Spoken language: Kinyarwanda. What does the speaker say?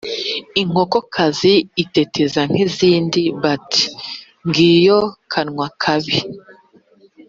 Inkokokazi iteteza nk’izindi bati ngiyo kanwa kabi.